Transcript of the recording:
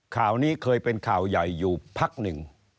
ข่าวนี้เคยเป็นข่าวใหญ่อยู่พักหนึ่ง